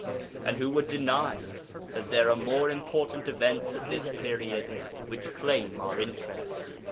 And who would deny that there are more important events at this period which claim our interest?